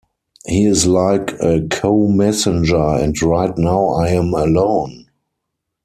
He is like a co-messenger and right now I am alone.